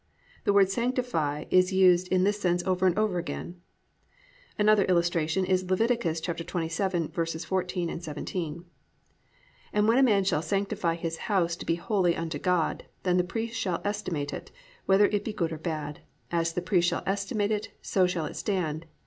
The word Sanctify is used in this sense over and over again. Another illustration is Lev. 27:14, 17. +"And when a man shall sanctify his house to be holy unto God, then the priest shall estimate it, whether it be good or bad: as the priest shall estimate it, so shall it stand